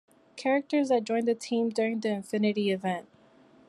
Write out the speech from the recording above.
Characters that joined the team during the "Infinity" event.